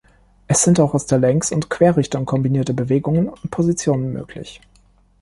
Es sind auch aus der Längs- und Querrichtung kombinierte Bewegungen und Positionen möglich.